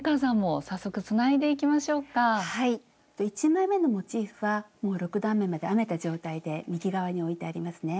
１枚めのモチーフはもう６段めまで編めた状態で右側に置いてありますね。